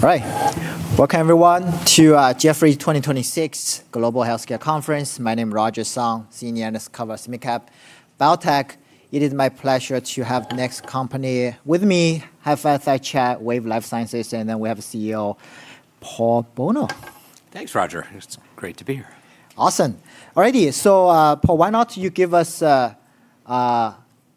All right. Welcome, everyone, to Jefferies 2026 Global Healthcare Conference. My name is Roger Song, senior analyst covering SMID-cap biotech. It is my pleasure to have the next company with me, have a fireside chat, Wave Life Sciences, and then we have the CEO, Paul Bolno. Thanks, Roger. It's great to be here. Awesome. All righty. Paul, why not you give us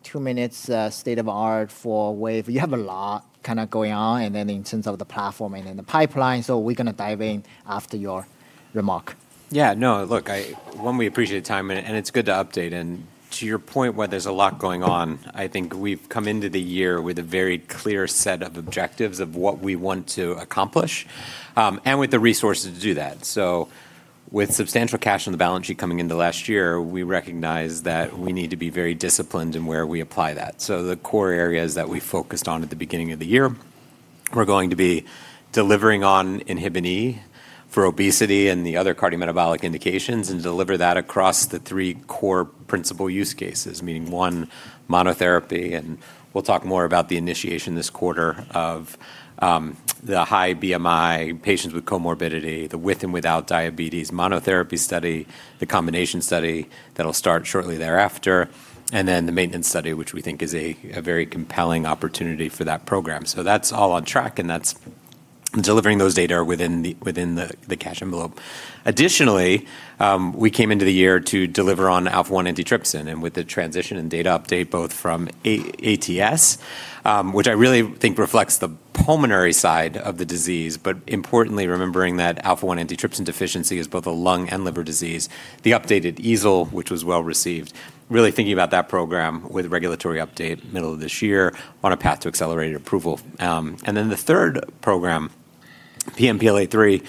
two minutes state of art for Wave? You have a lot kind of going on, and then in terms of the platform and then the pipeline. We're going to dive in after your remark. No, look, one, we appreciate the time, and it's good to update. To your point where there's a lot going on, I think we've come into the year with a very clear set of objectives of what we want to accomplish, and with the resources to do that. With substantial cash on the balance sheet coming into last year, we recognized that we need to be very disciplined in where we apply that. The core areas that we focused on at the beginning of the year, we're going to be delivering on INHBE for obesity and the other cardiometabolic indications, and deliver that across the three core principle use cases, meaning one, monotherapy, and we'll talk more about the initiation this quarter of the high BMI patients with comorbidity, the with and without diabetes monotherapy study, the combination study that'll start shortly thereafter, and then the maintenance study, which we think is a very compelling opportunity for that program. That's all on track, and that's delivering those data within the cash envelope. Additionally, we came into the year to deliver on alpha-1 antitrypsin, and with the transition and data update, both from ATS, which I really think reflects the pulmonary side of the disease, but importantly remembering that alpha-1 antitrypsin deficiency is both a lung and liver disease. The updated EASL, which was well-received, really thinking about that program with regulatory update middle of this year on a path to accelerated approval. The third program, PNPLA3,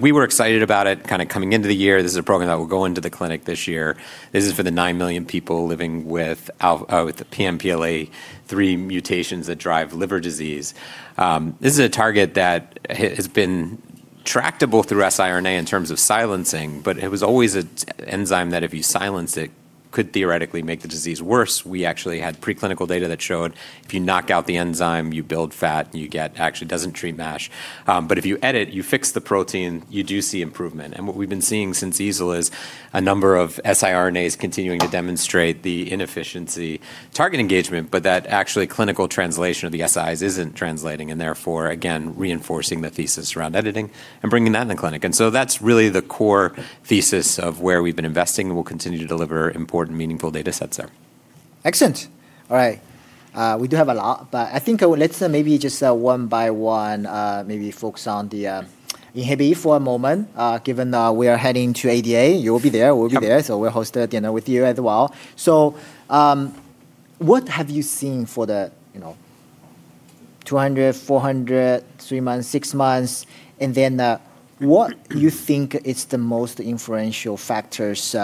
we were excited about it kind of coming into the year. This is a program that will go into the clinic this year. This is for the 9 million people living with the PNPLA3 mutations that drive liver disease. This is a target that has been tractable through siRNA in terms of silencing, but it was always an enzyme that if you silence it, could theoretically make the disease worse. We actually had preclinical data that showed if you knock out the enzyme, you build fat, and you get, actually doesn't treat MASH. If you edit, you fix the protein, you do see improvement. What we've been seeing since EASL is a number of siRNAs continuing to demonstrate the inefficiency target engagement, but that actually clinical translation of the [siRNAs] isn't translating, therefore, again, reinforcing the thesis around editing and bringing that into clinic. That's really the core thesis of where we've been investing, and we'll continue to deliver important, meaningful data sets there. Excellent. All right. We do have a lot, but I think let's maybe just one by one, maybe focus on the INHBE for a moment, given that we are heading to ADA. You will be there, we'll be there. Yep. We'll host a dinner with you as well. What have you seen for the 200, 400, three months, six months? What you think is the most influential factors,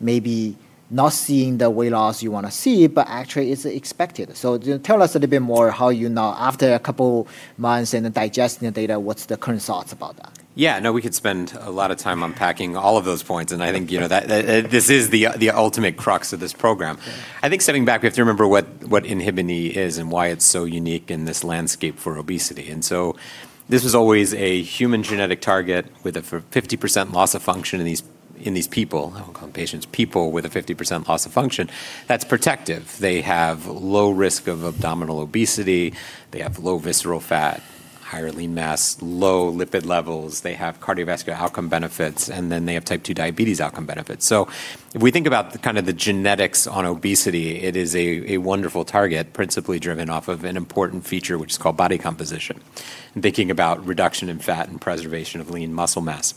maybe not seeing the weight loss you want to see, but actually is expected. Tell us a little bit more how you now, after a couple months and digesting the data, what's the current thoughts about that? Yeah, no. We could spend a lot of time unpacking all of those points. I think this is the ultimate crux of this program. Yeah. I think stepping back, we have to remember what INHBE is and why it's so unique in this landscape for obesity. This was always a human genetic target with a 50% loss of function in these people, I won't call them patients, people with a 50% loss of function that's protective. They have low risk of abdominal obesity, they have low visceral fat, higher lean mass, low lipid levels, they have cardiovascular outcome benefits, they have type 2 diabetes outcome benefits. If we think about the kind of the genetics on obesity, it is a wonderful target, principally driven off of an important feature, which is called body composition, and thinking about reduction in fat and preservation of lean muscle mass.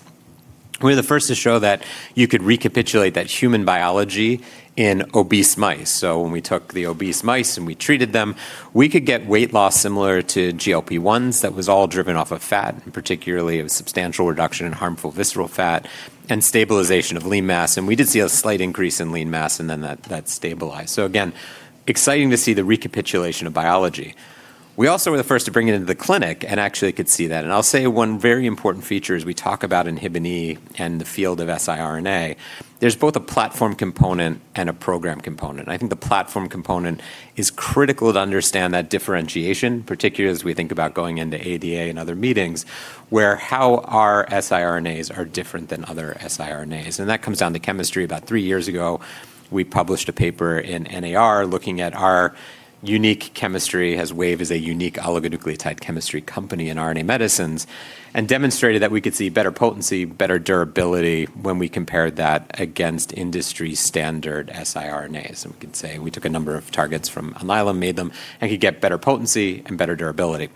We're the first to show that you could recapitulate that human biology in obese mice. When we took the obese mice and we treated them, we could get weight loss similar to GLP-1s that was all driven off of fat, and particularly a substantial reduction in harmful visceral fat and stabilization of lean mass, and we did see a slight increase in lean mass, and then that stabilized. Again, exciting to see the recapitulation of biology. We also were the first to bring it into the clinic and actually could see that. I'll say one very important feature as we talk about INHBE and the field of siRNA, there's both a platform component and a program component, and I think the platform component is critical to understand that differentiation, particularly as we think about going into ADA and other meetings, where how our siRNAs are different than other siRNAs, and that comes down to chemistry. About three years ago, we published a paper in NAR looking at our unique chemistry, as Wave is a unique oligonucleotide chemistry company in RNA medicines, and demonstrated that we could see better potency, better durability when we compared that against industry standard siRNAs. We could say we took a number of targets from Alnylam, made them, and could get better potency and better durability.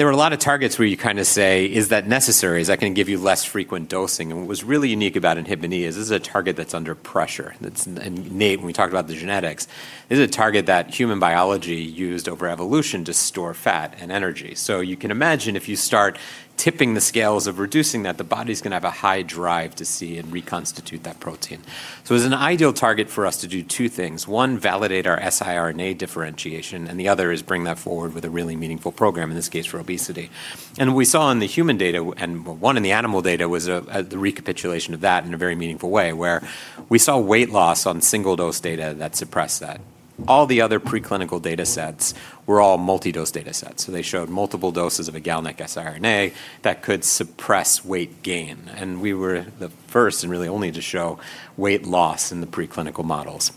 There were a lot of targets where you kind of say, "Is that necessary? Is that going to give you less frequent dosing?" What was really unique about INHBE is this is a target that's under pressure. When we talked about the genetics, this is a target that human biology used over evolution to store fat and energy. You can imagine if you start tipping the scales of reducing that, the body's going to have a high drive to see and reconstitute that protein. It was an ideal target for us to do two things. One, validate our siRNA differentiation, and the other is bring that forward with a really meaningful program, in this case, for obesity. We saw in the human data, and one in the animal data was the recapitulation of that in a very meaningful way, where we saw weight loss on single-dose data that suppressed that. All the other preclinical data sets were all multi-dose data sets. They showed multiple doses of a GalNAc-siRNA that could suppress weight gain. We were the first, and really only, to show weight loss in the preclinical models.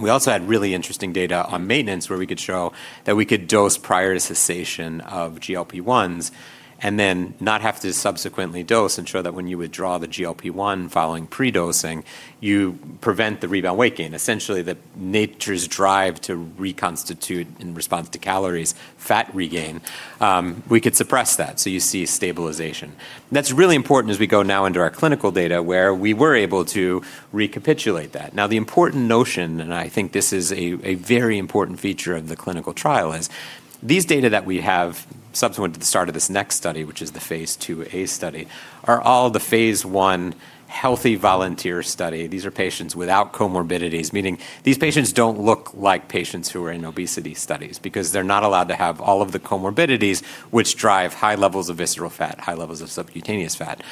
We also had really interesting data on maintenance, where we could show that we could dose prior to cessation of GLP-1s, and then not have to subsequently dose and show that when you withdraw the GLP-1 following pre-dosing, you prevent the rebound weight gain. Essentially, nature's drive to reconstitute in response to calories, fat regain, we could suppress that. You see stabilization. That's really important as we go now into our clinical data, where we were able to recapitulate that. The important notion, and I think this is a very important feature of the clinical trial, is these data that we have subsequent to the start of this next study, which is the phase II-A study, are all the phase I healthy volunteer study. These are patients without comorbidities, meaning these patients don't look like patients who are in obesity studies, because they're not allowed to have all of the comorbidities which drive high levels of visceral fat, high levels of subcutaneous fat.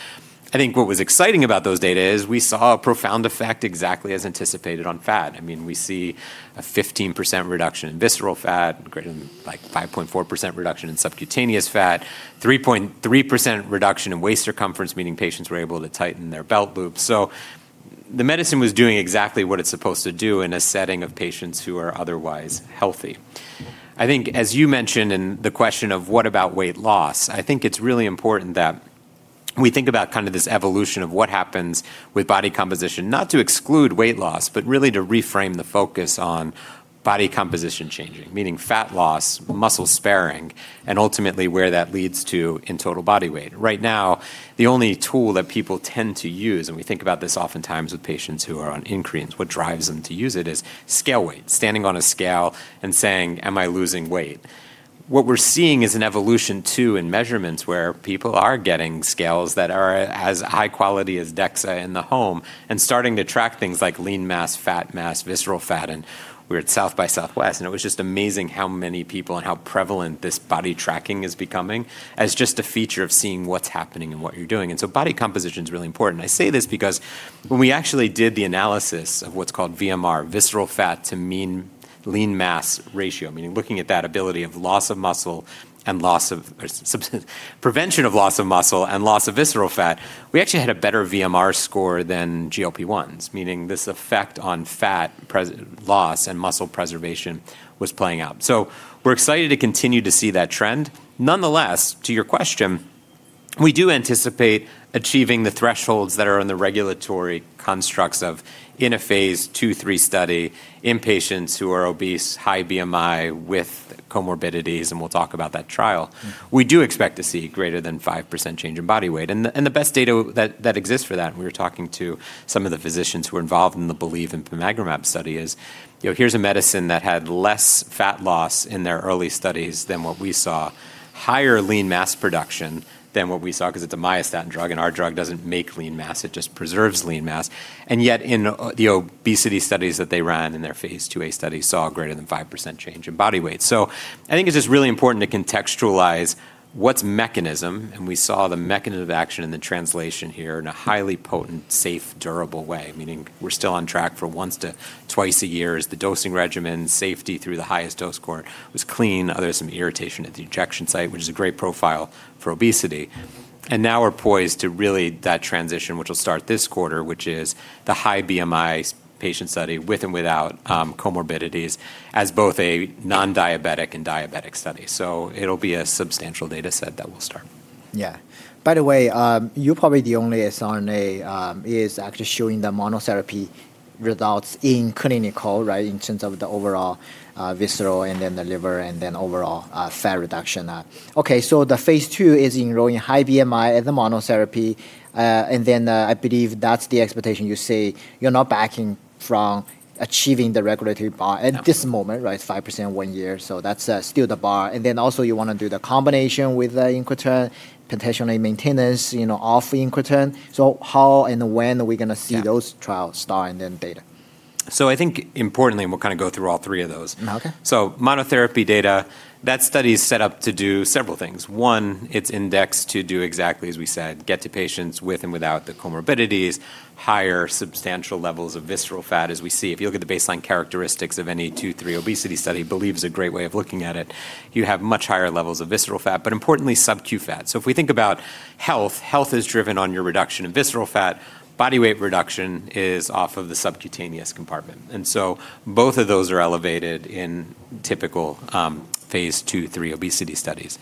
I think what was exciting about those data is we saw a profound effect exactly as anticipated on fat. We see a 15% reduction in visceral fat, greater than 5.4% reduction in subcutaneous fat, 3.3% reduction in waist circumference, meaning patients were able to tighten their belt loops. The medicine was doing exactly what it's supposed to do in a setting of patients who are otherwise healthy. I think as you mentioned in the question of what about weight loss, I think it's really important that we think about this evolution of what happens with body composition, not to exclude weight loss, but really to reframe the focus on body composition changing, meaning fat loss, muscle sparing, and ultimately where that leads to in total body weight. Right now, the only tool that people tend to use, and we think about this oftentimes with patients who are on incretins, what drives them to use it is scale weight. Standing on a scale and saying, "Am I losing weight?" What we're seeing is an evolution too in measurements where people are getting scales that are as high quality as DEXA in the home, and starting to track things like lean mass, fat mass, visceral fat. We were at South by Southwest, and it was just amazing how many people and how prevalent this body tracking is becoming as just a feature of seeing what's happening and what you're doing. Body composition's really important. I say this because when we actually did the analysis of what's called VMR, visceral fat to mean lean mass ratio, meaning looking at that ability of prevention of loss of muscle and loss of visceral fat, we actually had a better VMR score than GLP-1s, meaning this effect on fat loss and muscle preservation was playing out. We're excited to continue to see that trend. Nonetheless, to your question, we do anticipate achieving the thresholds that are in the regulatory constructs of in a phase II/III study in patients who are obese, high BMI with comorbidities. We'll talk about that trial. We do expect to see greater than 5% change in body weight, the best data that exists for that, we were talking to some of the physicians who were involved in the BELIEVE and bimagrumab study is, here's a medicine that had less fat loss in their early studies than what we saw, higher lean mass production than what we saw, because it's a myostatin drug, our drug doesn't make lean mass, it just preserves lean mass. Yet, in the obesity studies that they ran in their phase II-A study saw a greater than 5% change in body weight. I think it's just really important to contextualize what's mechanism. We saw the mechanism of action in the translation here in a highly potent, safe, durable way, meaning we're still on track for once to twice a year as the dosing regimen safety through the highest dose cohort was clean, other than some irritation at the injection site, which is a great profile for obesity. Now we're poised to really that transition, which will start this quarter, which is the high BMI patient study with and without comorbidities as both a non-diabetic and diabetic study. It'll be a substantial data set that we'll start. Yeah. By the way, you're probably the only siRNA is actually showing the monotherapy results in clinical, right? In terms of the overall visceral and then the liver and then overall fat reduction. Okay. The phase II is enrolling high BMI as a monotherapy. I believe that's the expectation. You say you're not backing from achieving the regulatory bar at this moment, right? 5% one year, that's still the bar. Also you want to do the combination with the incretin, potentially maintenance off incretin. How and when are we going to see those trials start and then data? I think importantly, and we'll go through all three of those. Okay. Monotherapy data, that study's set up to do several things. One, it's indexed to do exactly as we said, get to patients with and without the comorbidities, higher substantial levels of visceral fat as we see. If you look at the baseline characteristics of any phase II, III obesity study, BELIEVE's a great way of looking at it. You have much higher levels of visceral fat, but importantly, subcu fat. If we think about health is driven on your reduction in visceral fat. Body weight reduction is off of the subcutaneous compartment. Both of those are elevated in typical phase II, III obesity studies.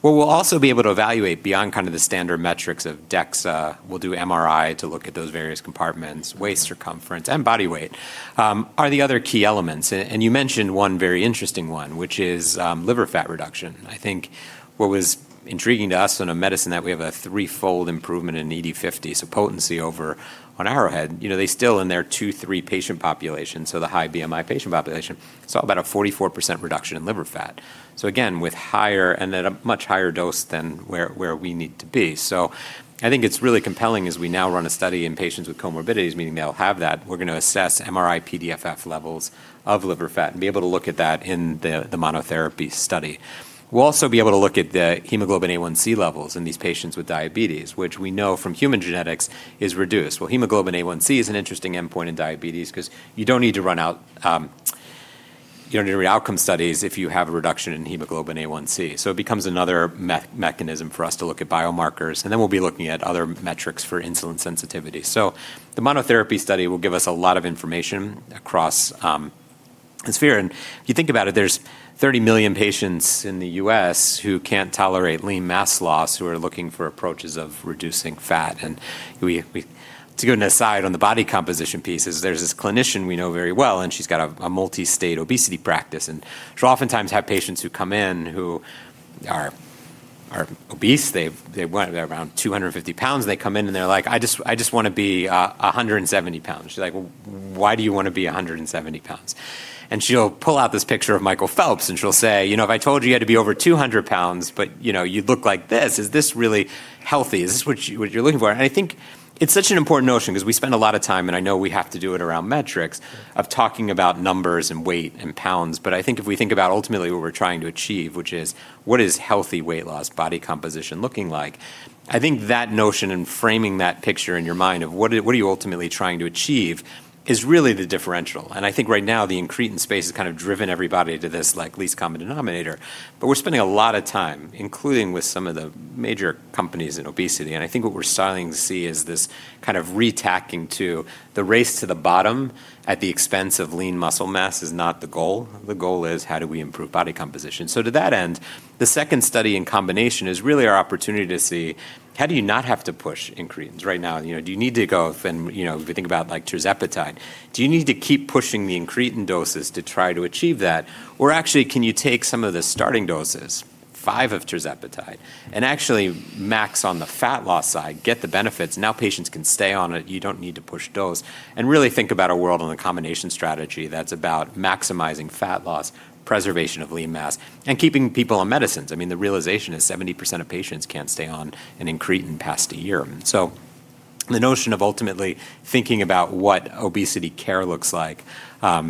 What we'll also be able to evaluate beyond the standard metrics of DEXA, we'll do MRI to look at those various compartments, waist circumference, and body weight, are the other key elements. You mentioned one very interesting one, which is liver fat reduction. I think what was intriguing to us in a medicine that we have a threefold improvement in ED50, so potency over on Arrowhead. They still in their phase II, phase III patient population, so the high BMI patient population, saw about a 44% reduction in liver fat. Again, with higher and at a much higher dose than where we need to be. I think it's really compelling as we now run a study in patients with comorbidities, meaning they'll have that. We're going to assess MRI-PDFF levels of liver fat and be able to look at that in the monotherapy study. We'll also be able to look at the hemoglobin A1C levels in these patients with diabetes, which we know from human genetics is reduced. Well, hemoglobin A1C is an interesting endpoint in diabetes because you don't need any outcome studies if you have a reduction in hemoglobin A1C. It becomes another mechanism for us to look at biomarkers, and then we'll be looking at other metrics for insulin sensitivity. The monotherapy study will give us a lot of information across this sphere. If you think about it, there's 30 million patients in the U.S. who can't tolerate lean mass loss, who are looking for approaches of reducing fat. To go on an aside on the body composition piece is there's this clinician we know very well, and she's got a multi-state obesity practice, and she'll oftentimes have patients who come in who are obese. They weigh around 250 pounds. They come in, and they're like, "I just want to be 170 pounds." She's like, "Why do you want to be 170 pounds?" She'll pull out this picture of Michael Phelps, and she'll say, "If I told you you had to be over 200 pounds, but you'd look like this, is this really healthy? Is this what you're looking for?" I think it's such an important notion because we spend a lot of time, and I know we have to do it around metrics, of talking about numbers and weight and pounds. I think if we think about ultimately what we're trying to achieve, which is what is healthy weight loss body composition looking like, I think that notion and framing that picture in your mind of what are you ultimately trying to achieve is really the differential. I think right now the incretin space has kind of driven everybody to this least common denominator. We're spending a lot of time, including with some of the major companies in obesity, and I think what we're starting to see is this kind of retacking to the race to the bottom at the expense of lean muscle mass is not the goal. The goal is how do we improve body composition. To that end, the second study in combination is really our opportunity to see how do you not have to push incretins right now. If you think about tirzepatide, do you need to keep pushing the incretin doses to try to achieve that, or actually can you take some of the starting doses, five of tirzepatide, and actually max on the fat loss side, get the benefits. Now patients can stay on it. You don't need to push dose. Really think about a world on a combination strategy that's about maximizing fat loss, preservation of lean mass, and keeping people on medicines. I mean, the realization is 70% of patients can't stay on an incretin past a year. The notion of ultimately thinking about what obesity care looks like,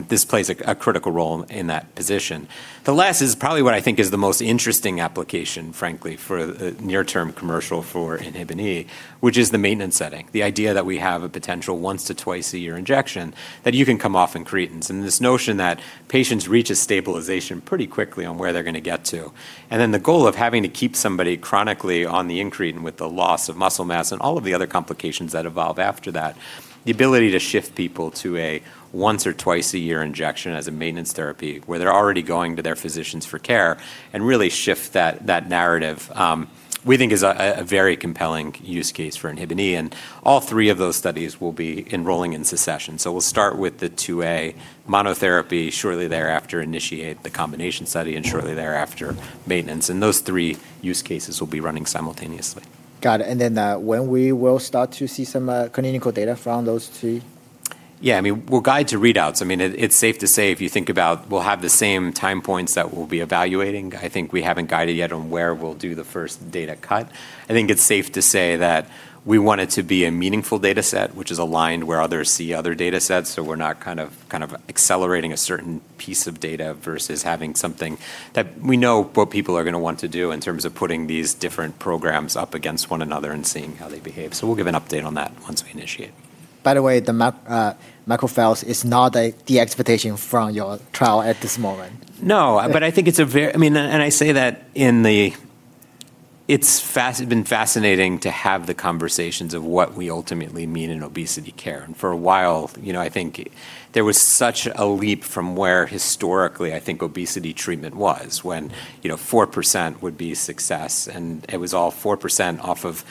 this plays a critical role in that position. The last is probably what I think is the most interesting application, frankly, for the near-term commercial for INHBE, which is the maintenance setting, the idea that we have a potential once to twice a year injection that you can come off incretins, and this notion that patients reach a stabilization pretty quickly on where they're going to get to. The goal of having to keep somebody chronically on the incretin with the loss of muscle mass and all of the other complications that evolve after that, the ability to shift people to a once or twice a year injection as a maintenance therapy where they're already going to their physicians for care and really shift that narrative, we think is a very compelling use case for INHBE. All three of those studies will be enrolling in succession. We'll start with the phase II-A monotherapy, shortly thereafter initiate the combination study, and shortly thereafter maintenance. Those three use cases will be running simultaneously. Got it. When we will start to see some clinical data from those three? Yeah. I mean, we'll guide to readouts. I mean, it's safe to say if you think about we'll have the same time points that we'll be evaluating. I think we haven't guided yet on where we'll do the first data cut. I think it's safe to say that we want it to be a meaningful data set, which is aligned where others see other data sets, so we're not kind of accelerating a certain piece of data versus having something that we know what people are going to want to do in terms of putting these different programs up against one another and seeing how they behave. We'll give an update on that once we initiate. By the way, Michael Phelps is not the expectation from your trial at this moment. No. I say that in the it's been fascinating to have the conversations of what we ultimately mean in obesity care. For a while, I think there was such a leap from where historically I think obesity treatment was, when 4% would be success, and it was all 4% off of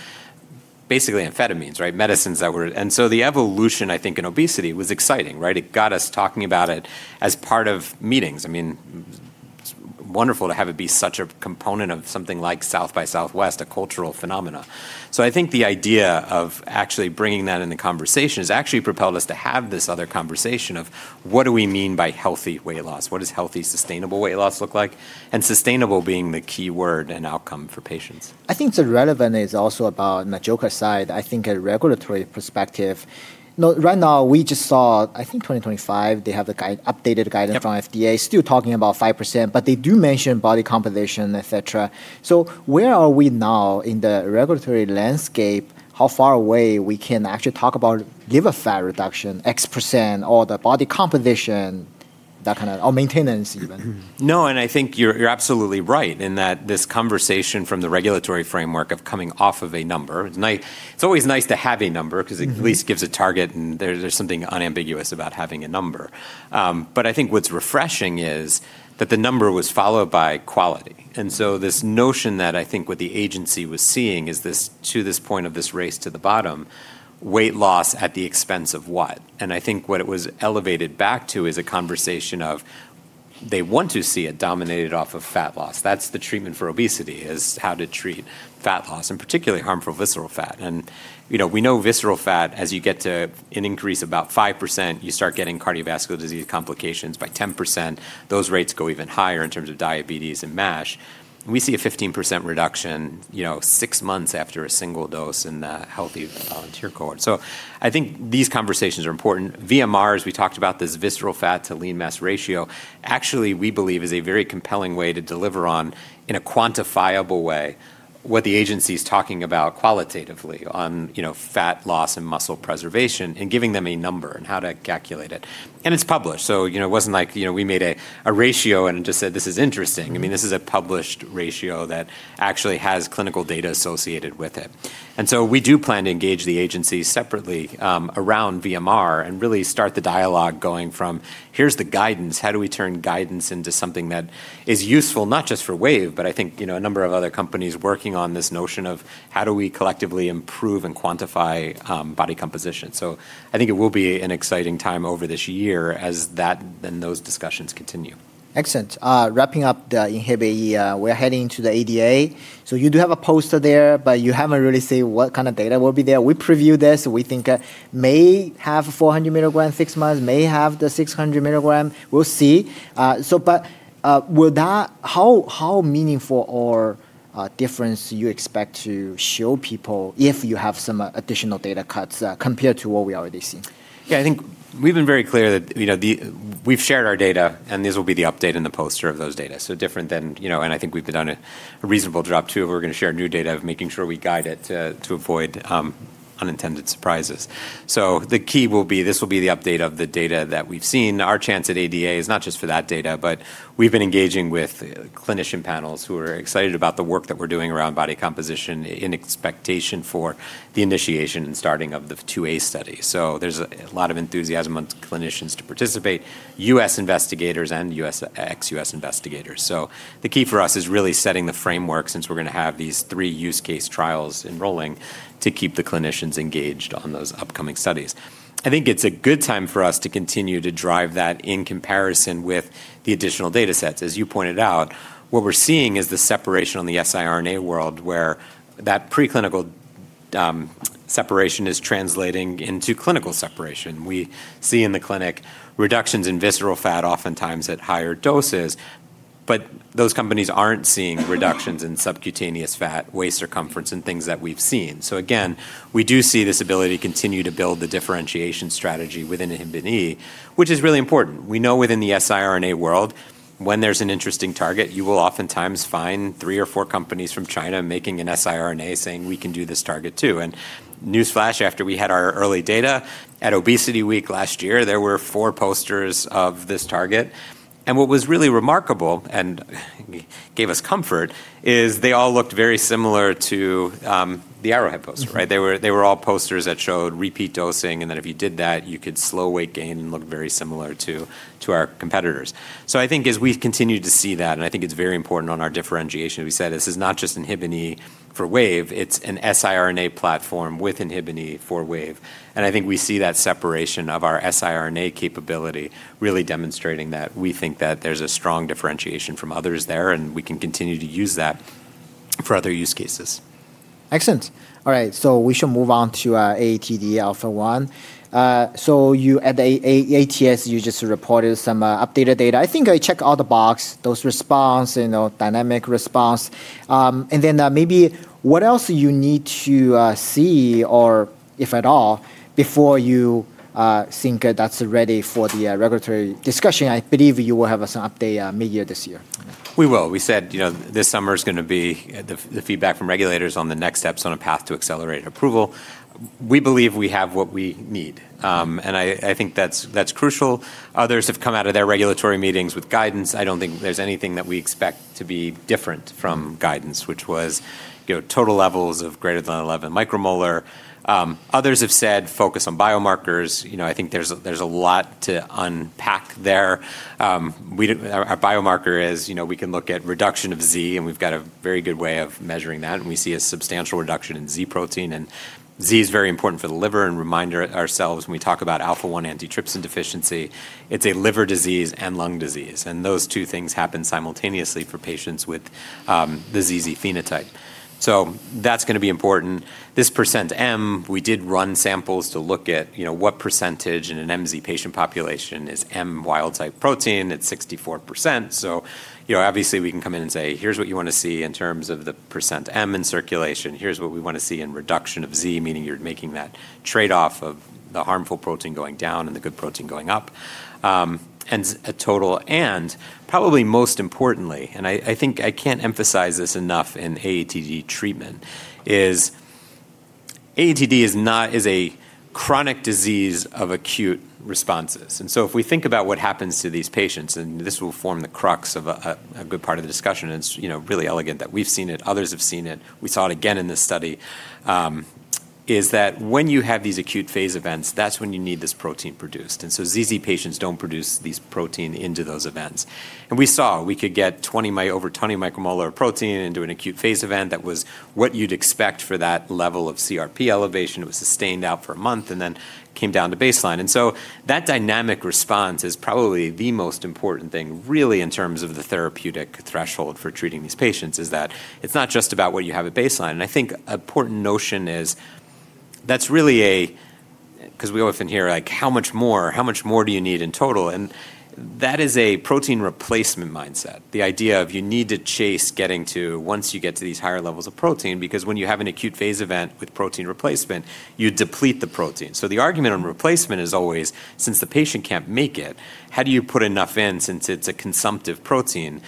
basically amphetamines, right? So the evolution, I think, in obesity was exciting, right? It got us talking about it as part of meetings. I mean, it's wonderful to have it be such a component of something like South by Southwest, a cultural phenomena. I think the idea of actually bringing that into conversation has actually propelled us to have this other conversation of what do we mean by healthy weight loss? What does healthy, sustainable weight loss look like? Sustainable being the key word and outcome for patients. I think it's relevant is also about, on the regulatory side, I think a regulatory perspective. Right now we just saw, I think 2025, they have the updated guidance from FDA, still talking about 5%, but they do mention body composition, et cetera. Where are we now in the regulatory landscape? How far away we can actually talk about give a fat reduction X%, or the body composition, that kind of, or maintenance even? No, I think you're absolutely right in that this conversation from the regulatory framework of coming off of a number. It's always nice to have a number because it at least gives a target, and there's something unambiguous about having a number. I think what's refreshing is that the number was followed by quality. This notion that I think what the agency was seeing is to this point of this race to the bottom, weight loss at the expense of what? I think what it was elevated back to is a conversation of they want to see it dominated off of fat loss. That's the treatment for obesity, is how to treat fat loss, and particularly harmful visceral fat. We know visceral fat, as you get to an increase about 5%, you start getting cardiovascular disease complications. By 10%, those rates go even higher in terms of diabetes and MASH. We see a 15% reduction six months after a single dose in the healthy volunteer cohort. I think these conversations are important. VMR, as we talked about, this visceral fat to lean mass ratio, actually, we believe is a very compelling way to deliver on, in a quantifiable way, what the agency's talking about qualitatively on fat loss and muscle preservation and giving them a number on how to calculate it. It's published, so it wasn't like we made a ratio and just said, "This is interesting." I mean, this is a published ratio that actually has clinical data associated with it. We do plan to engage the agency separately around VMR and really start the dialogue going from here's the guidance. How do we turn guidance into something that is useful not just for Wave, but I think a number of other companies working on this notion of how do we collectively improve and quantify body composition. I think it will be an exciting time over this year as those discussions continue. Excellent. Wrapping up the INHBE, we're heading to the ADA. You do have a poster there, but you haven't really said what kind of data will be there. We previewed this, we think may have 400 mg six months, may have the 600 mg. We'll see. How meaningful or difference you expect to show people if you have some additional data cuts compared to what we already see? Yeah, I think we've been very clear that we've shared our data, and this will be the update and the poster of those data. Different then, and I think we've done a reasonable job, too, of we're going to share new data of making sure we guide it to avoid unintended surprises. The key will be this will be the update of the data that we've seen. Our chance at ADA is not just for that data, but we've been engaging with clinician panels who are excited about the work that we're doing around body composition in expectation for the initiation and starting of the phase II-A study. There's a lot of enthusiasm on clinicians to participate, U.S. investigators, and ex-U.S. investigators. The key for us is really setting the framework since we're going to have these three use case trials enrolling to keep the clinicians engaged on those upcoming studies. I think it's a good time for us to continue to drive that in comparison with the additional data sets. As you pointed out, what we're seeing is the separation on the siRNA world where that preclinical separation is translating into clinical separation. We see in the clinic reductions in visceral fat oftentimes at higher doses, but those companies aren't seeing reductions in subcutaneous fat, waist circumference, and things that we've seen. Again, we do see this ability to continue to build the differentiation strategy with INHBE, which is really important. We know within the siRNA world, when there's an interesting target, you will oftentimes find three or four companies from China making an siRNA saying, "We can do this target, too." Newsflash, after we had our early data at ObesityWeek last year, there were four posters of this target. What was really remarkable and gave us comfort is they all looked very similar to the Arrowhead poster, right? They were all posters that showed repeat dosing, and that if you did that, you could slow weight gain and look very similar to our competitors. I think as we've continued to see that, and I think it's very important on our differentiation, we said this is not just INHBE for Wave, it's an siRNA platform with INHBE for Wave. I think we see that separation of our siRNA capability really demonstrating that we think that there's a strong differentiation from others there, and we can continue to use that for other use cases. Excellent. All right, we should move on to AATD Alpha-1. At the ATS, you just reported some updated data. I think I check all the boxes, dose response, dynamic response. Maybe what else you need to see or if at all, before you think that's ready for the regulatory discussion. I believe you will have us an update mid-year this year. We will. We said this summer's going to be the feedback from regulators on the next steps on a path to accelerated approval. We believe we have what we need, and I think that's crucial. Others have come out of their regulatory meetings with guidance. I don't think there's anything that we expect to be different from guidance, which was total levels of greater than 11 micromolar. Others have said focus on biomarkers. I think there's a lot to unpack there. Our biomarker is we can look at reduction of Z, and we've got a very good way of measuring that, and we see a substantial reduction in Z protein. Z is very important for the liver, and reminder ourselves when we talk about alpha-1 antitrypsin deficiency, it's a liver disease and lung disease, and those two things happen simultaneously for patients with the ZZ phenotype. That's going to be important. This percent M, we did run samples to look at what percentage in an MZ patient population is M wild type protein at 64%. Obviously we can come in and say, "Here's what you want to see in terms of the % M in circulation. Here's what we want to see in reduction of Z," meaning you're making that trade-off of the harmful protein going down and the good protein going up, and a total. Probably most importantly, and I think I can't emphasize this enough in AATD treatment, is AATD is a chronic disease of acute responses. If we think about what happens to these patients, this will form the crux of a good part of the discussion, and it's really elegant that we've seen it, others have seen it, we saw it again in this study, is that when you have these acute phase events, that's when you need this protein produced. ZZ patients don't produce these protein into those events. We saw we could get over 20 micromolar of protein into an acute phase event that was what you'd expect for that level of CRP elevation. It was sustained out for a month and then came down to baseline. That dynamic response is probably the most important thing, really, in terms of the therapeutic threshold for treating these patients, is that it's not just about what you have at baseline. I think important notion is that's really because we often hear like, "How much more? How much more do you need in total?" That is a protein replacement mindset. The idea of you need to chase getting to once you get to these higher levels of protein, because when you have an acute phase event with protein replacement, you deplete the protein. The argument on replacement is always, since the patient can't make it, how do you put enough in since it's a consumptive protein?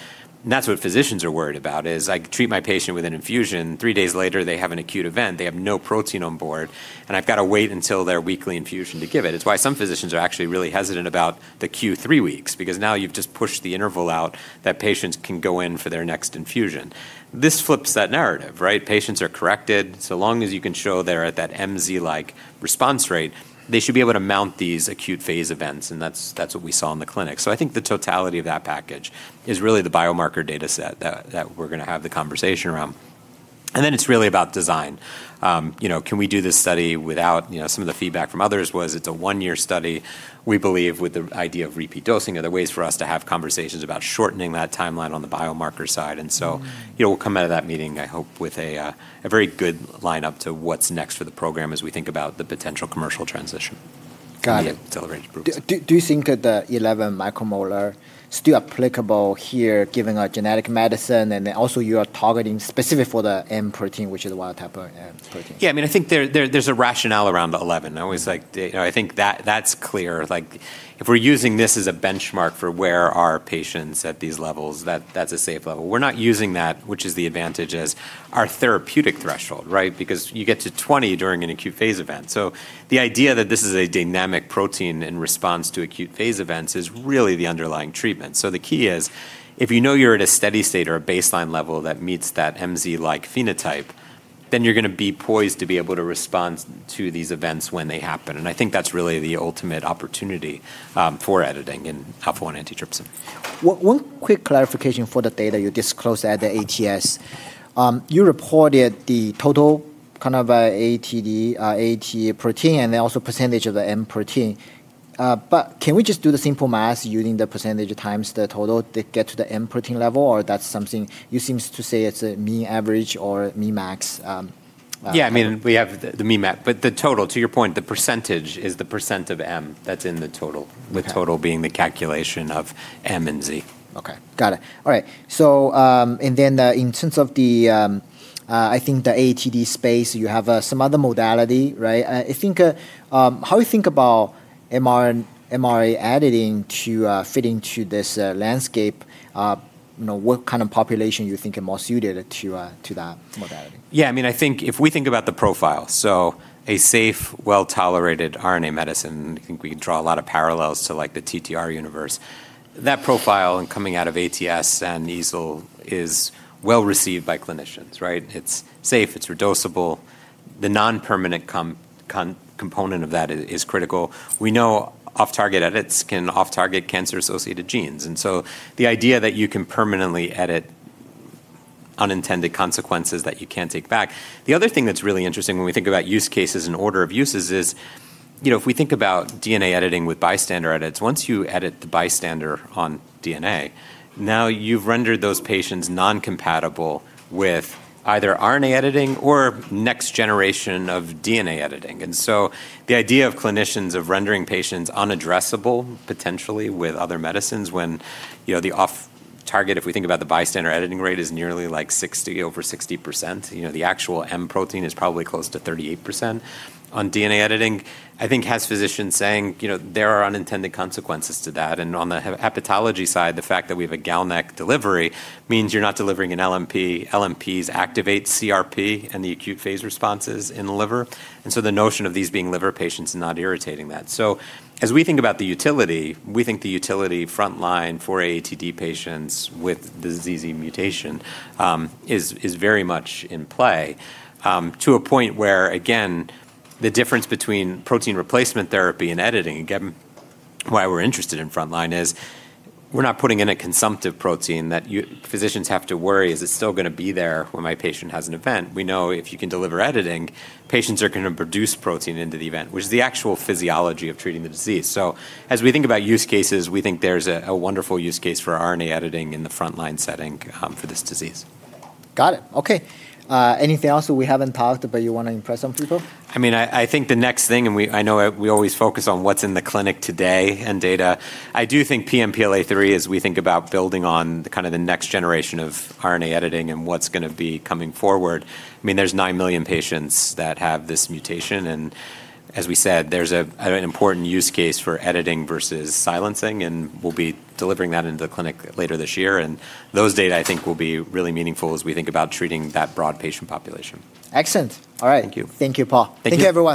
That's what physicians are worried about, is I treat my patient with an infusion. Three days later, they have an acute event. They have no protein on board, and I've got to wait until their weekly infusion to give it. It's why some physicians are actually really hesitant about the Q3 weeks, because now you've just pushed the interval out that patients can go in for their next infusion. This flips that narrative, right? Patients are corrected. Long as you can show they're at that MZ-like response rate, they should be able to mount these acute phase events, and that's what we saw in the clinic. I think the totality of that package is really the biomarker data set that we're going to have the conversation around. Then it's really about design. Can we do this study without some of the feedback from others, was it a one-year study? We believe with the idea of repeat dosing. Are there ways for us to have conversations about shortening that timeline on the biomarker side? We'll come out of that meeting, I hope with a very good line up to what's next for the program as we think about the potential commercial transition. Got it. In the [accelerated groups]. Do you think that the 11 micromolar is still applicable here, given our genetic medicine? Also you are targeting specific for the M protein, which is wild type M protein. Yeah, I think there's a rationale around the 11. I think that's clear. If we're using this as a benchmark for where are patients at these levels, that's a safe level. We're not using that, which is the advantage as our therapeutic threshold, right? You get to 20 during an acute phase event. The idea that this is a dynamic protein in response to acute phase events is really the underlying treatment. The key is, if you know you're at a steady state or a baseline level that meets that MZ-like phenotype, then you're going to be poised to be able to respond to these events when they happen. I think that's really the ultimate opportunity, for editing in alpha-1 antitrypsin. One quick clarification for the data you disclosed at the ATS. You reported the total AATD, AAT protein, and then also percentage of the M protein. Can we just do the simple math using the percentage of times the total to get to the M protein level or that's something you seem to say it's a mean average or mean max? Yeah, we have the mean max, but the total to your point, the percentage is the percent of M that's in the total. Okay. The total being the calculation of M and Z. Okay. Got it. All right. In terms of the, I think the AATD space, you have some other modality, right? How you think about RNA editing to fit into this landscape, what kind of population you think are more suited to that modality? Yeah, if we think about the profile, so a safe, well-tolerated RNA medicine, I think we can draw a lot of parallels to the TTR universe. That profile and coming out of ATS and EASL is well-received by clinicians, right? It's safe, it's redosable. The non-permanent component of that is critical. We know off-target edits can off-target cancer-associated genes, and so the idea that you can permanently edit unintended consequences that you can't take back. The other thing that's really interesting when we think about use cases and order of uses is, if we think about DNA editing with bystander edits, once you edit the bystander on DNA, now you've rendered those patients non-compatible with either RNA editing or next generation of DNA editing. The idea of clinicians of rendering patients unaddressable potentially with other medicines when the off-target, if we think about the bystander editing rate is nearly over 60%, the actual M protein is probably close to 38% on DNA editing, I think has physicians saying, there are unintended consequences to that. On the hepatology side, the fact that we have a GalNAc delivery means you're not delivering an LNP. LNPs activate CRP and the acute phase responses in the liver. The notion of these being liver patients is not irritating that. As we think about the utility, we think the utility frontline for AATD patients with the ZZ mutation is very much in play, to a point where, again, the difference between protein replacement therapy and editing, again, why we're interested in frontline is we're not putting in a consumptive protein that physicians have to worry is it still going to be there when my patient has an event? We know if you can deliver editing, patients are going to produce protein into the event, which is the actual physiology of treating the disease. As we think about use cases, we think there's a wonderful use case for RNA editing in the frontline setting for this disease. Got it. Okay. Anything else that we haven't talked, but you want to impress on people? I think the next thing, I know we always focus on what's in the clinic today and data. I do think PNPLA3 as we think about building on the next generation of RNA editing and what's going to be coming forward, there's 9 million patients that have this mutation, and as we said, there's an important use case for editing versus silencing, and we'll be delivering that into the clinic later this year. Those data I think will be really meaningful as we think about treating that broad patient population. Excellent. All right. Thank you. Thank you, Paul. Thank you. Thank you, everyone.